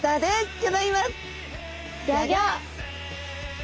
ギョギョ！